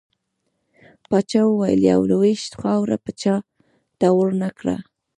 پاچا وويل: يوه لوېشت خاوړه به چاته ورنه کړه .